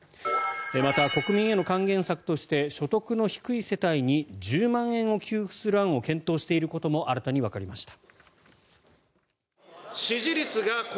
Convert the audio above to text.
また国民への還元策として所得の低い世帯に１０万円を給付する案を検討していることも新たにわかりました。